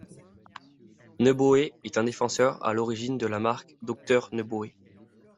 Neubaueur est un défenseur à l'origine de la marque Dr Neubauer.